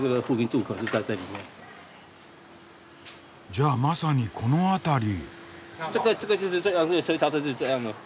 じゃあまさにこの辺り。